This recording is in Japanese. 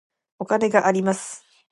お金があります。